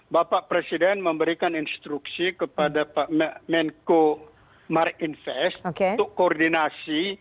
bapak presiden memberikan instruksi kepada pak menko marinvest untuk koordinasi